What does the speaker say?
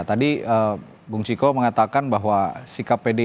tadi bung ciko mengatakan bahwa bung ciko mengatakan bahwa bung ciko mengatakan bahwa